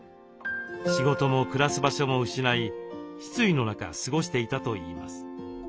仕事も暮らす場所も失い失意の中過ごしていたといいます。